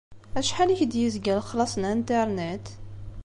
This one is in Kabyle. Acḥal i k-d-yezga lexlaṣ n Internet?